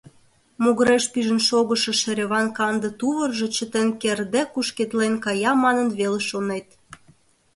Могыреш пижын шогышо шереван канде тувыржо чытен кертде кушкедлен кая манын веле шонет.